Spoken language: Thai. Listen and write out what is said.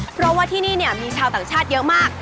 เพราะว่าที่นี่เนี่ยมีชาวต่างชาติเยอะมาก